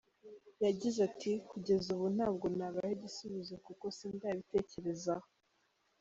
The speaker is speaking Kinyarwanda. Yagize ati “kugeza ubu ntabwo nabaha igisubizo kuko sindabitekerezaho.